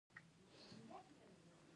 د هرات سپي مشهور دي